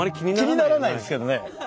気にならないですけどね。